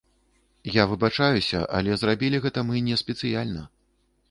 Я выбачаюся, але зрабілі гэта мы не спецыяльна.